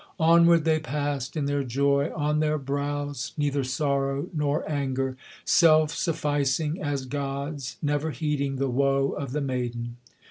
Onward they passed in their joy; on their brows neither sorrow nor anger; Self sufficing, as gods, never heeding the woe of the maiden.